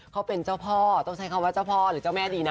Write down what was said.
เค้าเป็นเจ้าพ่อเจ้าพ่อหรือเจ้าแม่ดีนะ